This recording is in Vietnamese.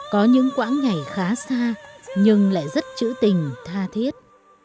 có những quãng nhảy khá xa nhưng lại rất chữ tình tha thiết